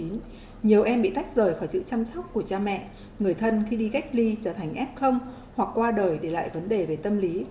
nhiều em bị tách rời khỏi chữ chăm sóc của cha mẹ người thân khi đi cách ly trở thành f hoặc qua đời để lại vấn đề về tâm lý